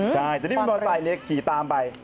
ใช่แต่นี่มอเตอร์ไซค์นี้ขี่ตามไป